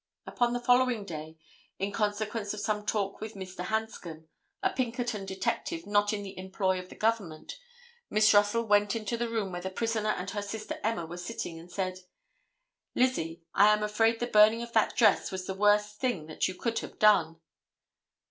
Upon the following day, in consequence of some talk with Mr. Hanscom, a Pinkerton detective not in the employ of the Government, Miss Russell went into the room where the prisoner and her sister Emma were sitting and said: "Lizzie, I am afraid the burning of that dress was the worst thing that you could have done."